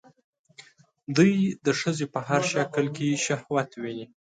دوی د ښځې په هر شکل کې شهوت ويني